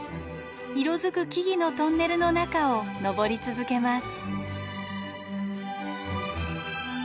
色づく木々のトンネルの中を登り続けます。